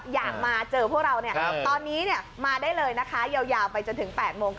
อยากมาเจอพวกเราตอนนี้มาได้เลยนะคะยาวไปจนถึง๘โมง